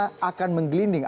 kemana akan menggelinding